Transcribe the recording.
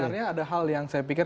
sebenarnya ada hal yang saya pikir